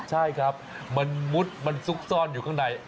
ใช่ครับมันมุดมันซุกซ่อนอยู่ข้างใน